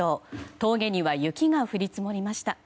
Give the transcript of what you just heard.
峠には雪が降り積もりました。